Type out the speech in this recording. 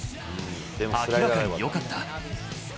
明らかによかった。